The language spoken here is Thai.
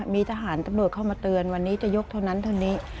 มีทหารตำรวจเข้ามาเตือนวันนี้จะยกเท่านั้นเท่านี้